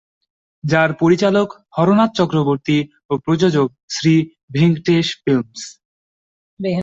যার পরিচালক হরনাথ চক্রবর্তী ও প্রযোজক শ্রী ভেঙ্কটেশ ফিল্মস।